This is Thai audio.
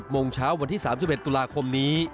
โมงเช้าวันที่๓๑ตุลาคมนี้